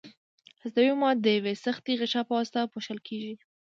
هستوي مواد د یوې سختې غشا په واسطه پوښل کیږي.